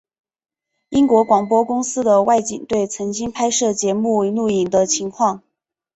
英国广播公司的外景队曾经拍摄节目录影的情况。